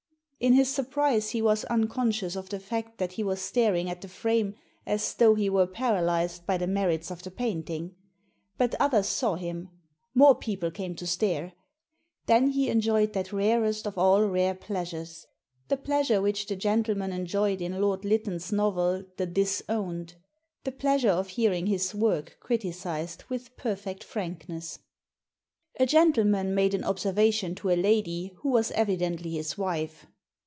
In his surprise he was unconscious of the fact that he was staring at the frame as though he were paralysed by the merits of the painting. But others saw him. More people came to stare. Then he en joyed that rarest of all rare pleasures — the pleasure which the gentleman enjoyed in Lord Lytton's novel, The Disowned — ^t pleasure of hearing his work criticised with perfect frankness. Digitized by VjOOQIC THE TIPSTER 123 A gentleman made an observation to a lady who was evidently his wife.